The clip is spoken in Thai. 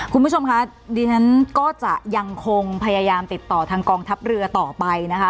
คุณผู้ชมคะดิฉันก็จะยังคงพยายามติดต่อทางกองทัพเรือต่อไปนะคะ